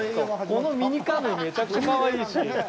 このミニカヌーめちゃくちゃかわいいし。